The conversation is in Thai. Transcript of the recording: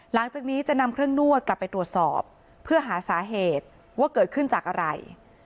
หลังจากนี้จะนำเครื่องนวดกลับไปตรวจสอบเพื่อหาสาเหตุว่าเกิดขึ้นจากอะไร